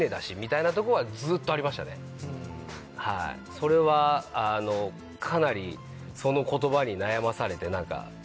それはかなりその言葉に悩まされて。